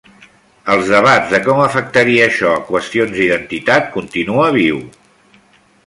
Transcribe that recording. Els debats de com afectaria això a qüestions d'identitat continua viu.